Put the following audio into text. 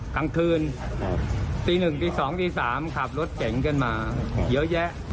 ทั้งคืนตีหนึ่งตีสองตีสามขับรถเก่งกันมาเยอะแยะ